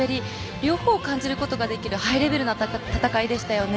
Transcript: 両方を感じることができるハイレベルな戦いでしたね。